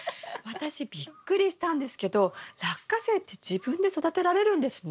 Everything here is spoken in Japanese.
私びっくりしたんですけどラッカセイって自分で育てられるんですね。